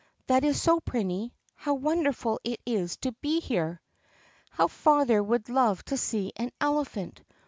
"That is so, Prinny. How wonderful it is to be here!" "How father would love to see an elephant!